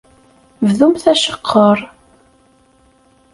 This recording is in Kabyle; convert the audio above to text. Bdumt aceqqer.